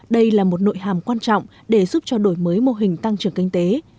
đây là một nội hàm quan trọng để giúp cho đổi mới mô hình tăng trưởng kinh tế